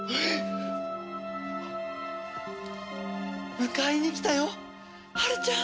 迎えに来たよはるちゃん！